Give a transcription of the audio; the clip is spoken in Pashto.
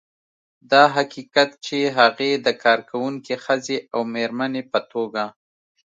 دا حقیقت چې هغې د کارکونکې ښځې او مېرمنې په توګه